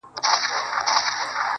بېزاره به سي خود يـــاره له جنگه ككـرۍ,